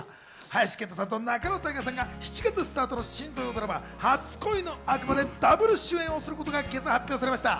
林遣都さんと仲野太賀さんが７月スタートの新土曜ドラマ『初恋の悪魔』でダブル主演することが今朝発表されました。